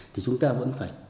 thì chúng ta vẫn phải